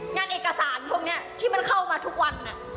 งานเอกสารพวกนี้ที่มันเข้ามาทุกวัน